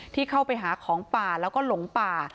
ที่เข้าไปหาของป่าแล้วก็หลงป่า